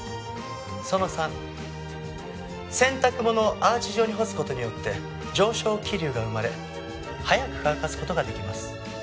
その３洗濯物をアーチ状に干す事によって上昇気流が生まれ早く乾かす事が出来ます。